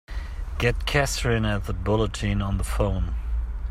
Get Katherine at the Bulletin on the phone!